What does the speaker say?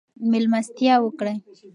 مېلمستیا وکړئ.